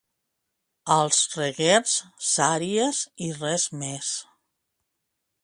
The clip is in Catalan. Als Reguers, sàries i res més.